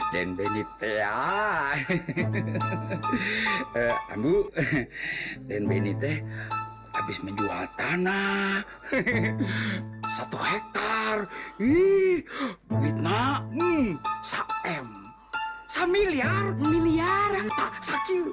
dan benit teh habis menjual tanah hehehe satu hektar ini duit maksa m samil ya miliar sakit